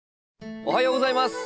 おはようございます。